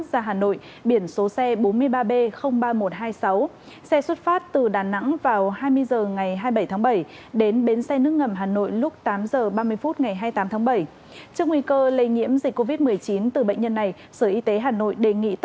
xin chào và hẹn gặp lại